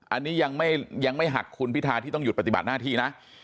อันนี้ยังไม่หักคุณพิทาที่ต้องหยุดปฏิบัติหน้าที่นะ